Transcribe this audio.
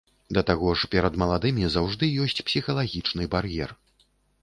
Да таго ж, перад маладымі заўжды ёсць псіхалагічны бар'ер.